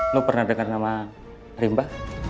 lo pernah dengar nama rimba